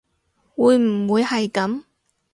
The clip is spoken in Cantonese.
會唔會係噉